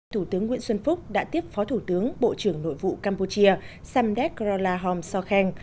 thủ tướng nguyễn xuân phúc đã tiếp phó thủ tướng bộ trưởng nội vụ campuchia samdek rolahom sokhen